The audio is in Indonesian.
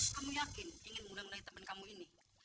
kamu yakin ingin menggunakan temen kamu ini